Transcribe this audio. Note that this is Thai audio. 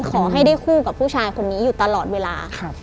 ขอให้ได้คู่กับผู้ชายคนนี้อยู่ตลอดเวลา